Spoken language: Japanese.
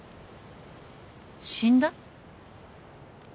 死んだ？